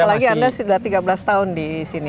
apalagi anda sudah tiga belas tahun di sini